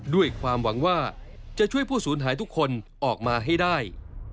ด้วยความหวังว่าจะช่วยผู้สูญหายทุกคนออกมาให้ได้